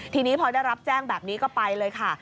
ทีนี้พอได้รับแจ้งแบบนี้ก็ไปเลยค่ะ